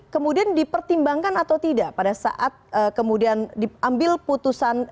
kemudian dipertimbangkan atau tidak pada saat kemudian diambil putusan